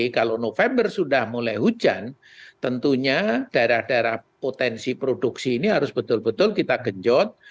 kalau november sudah mulai hujan tentunya daerah daerah potensi produksi ini harus betul betul kita genjot